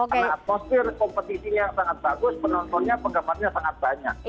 karena atmosfer kompetisinya sangat bagus penontonnya penggabarannya sangat banyak